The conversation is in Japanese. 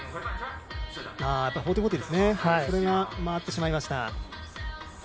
１４４０が回ってしまいました。